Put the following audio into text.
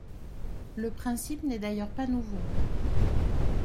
Le principe n’est d’ailleurs pas nouveau.